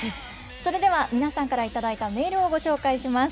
それでは皆さんから頂いたメールをご紹介します。